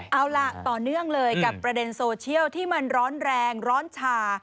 เอาล่ะต่อเนื่องเลยกับประเด็นโซเชียลที่มันร้อนแรงร้อนชา